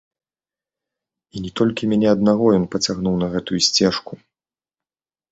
І не толькі мяне аднаго ён пацягнуў на гэтую сцежку.